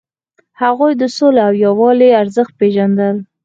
هغوی د سولې او یووالي ارزښت پیژندل.